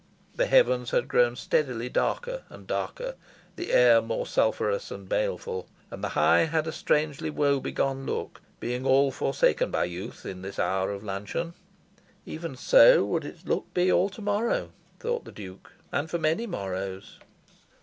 The heavens had grown steadily darker and darker, the air more sulphurous and baleful. And the High had a strangely woebegone look, being all forsaken by youth, in this hour of luncheon. Even so would its look be all to morrow, thought the Duke, and for many morrows.